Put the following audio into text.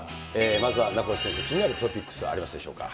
まずは名越先生、気になるトピックスありますでしょうか。